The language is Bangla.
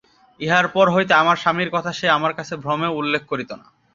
ইহার পর হইতে আমার স্বামীর কথা সে আমার কাছে ভ্রমেও উল্লেখ করিত না।